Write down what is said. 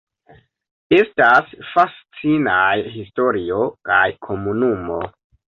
Estas fascinaj historio kaj komunumo.